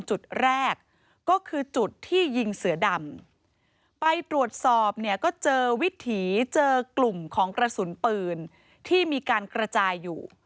จุดแรกก็คือจุดที่ยิงเสือดำไปตรวจสอบเนี่ยก็เจอวิถีเจอกลุ่มของกระสุนปืนที่มีการกระจายอยู่